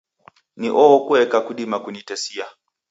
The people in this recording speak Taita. Ni oho kueka kudima kunitesia.